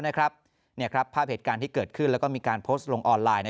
ภาพเหตุการณ์ที่เกิดขึ้นแล้วก็มีการโพสต์ลงออนไลน์